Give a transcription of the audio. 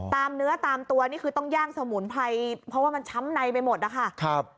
ตามเนื้อตามตัวนี่คือต้องย่างสมุนไพรเพราะว่ามันช้ำในไปหมดนะคะ